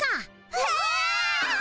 うわ！